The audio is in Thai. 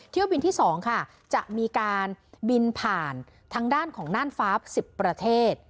เที่ยวบินที่๒ค่ะจะมีการบินผ่านทางด้านของน่านฟ้า๑๐ประเทศ